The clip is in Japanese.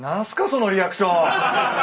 そのリアクション。